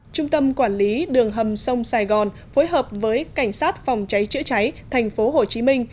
trung tâm quản lý đường hầm sông sài gòn phối hợp với cảnh sát phòng cháy chữa cháy thành phố hồ chí minh